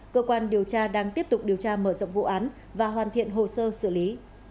cơ quan điều tra đang tiếp tục điều tra mở rộng vụ án và hoàn thiện hồ sơ xử lý